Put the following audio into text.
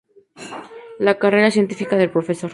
La carrera científica del Prof.